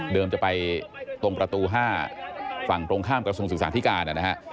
จะไปตรงประตู๕ฝั่งตรงข้ามกระทรวงศึกษาธิการนะฮะ